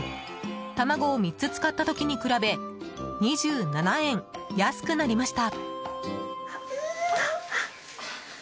卵を３つ使った時に比べ２７円安くなりました。